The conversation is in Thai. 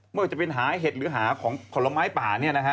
ไม่ว่าจะเป็นหาเห็ดหรือหาของขนม้ายป่าเนี่ยนะฮะ